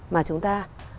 mà chúng ta